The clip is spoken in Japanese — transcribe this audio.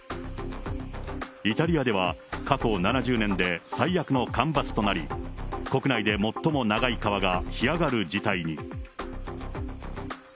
イタリアでは過去７０年で最悪の干ばつとなり、国内で最も長い川が干上がる事態に。